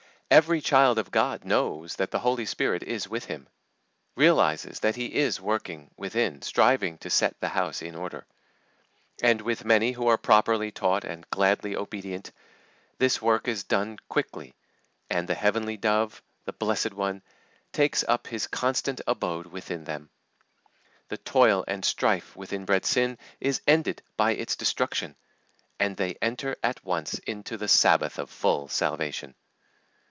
Every child of God knows that the Holy Spirit is with him; realises that He is working within, striving to set the house in order. And with many who are properly taught and gladly obedient, this work is done quickly, and the heavenly Dove, the Blessed One, takes up his constant abode within them; the toil and strife with inbred sin is ended by its destruction, and they enter at once into the sabbath of full salvation.